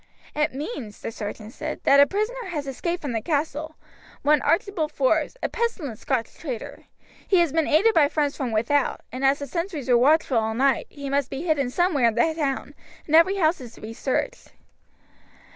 "It means," the sergeant said, "that a prisoner has escaped from the castle, one Archibald Forbes, a pestilent Scotch traitor. He has been aided by friends from without, and as the sentries were watchful all night, he must be hidden somewhere in the town, and every house is to be searched."